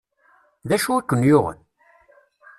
D acu i ken-yuɣen?